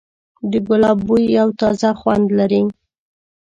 د ګلاب بوی یو تازه خوند لري.